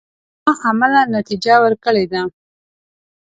دا عملاً نتیجه ورکړې ده.